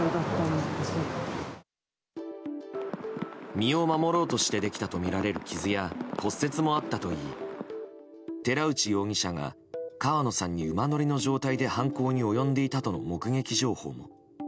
身を守ろうとしてできたとみられる傷や骨折もあったといい寺内容疑者が川野さんに馬乗りの状態で犯行に及んでいたとの目撃情報も。